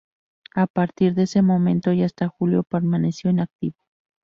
A partir de ese momento y hasta julio, permaneció inactivo.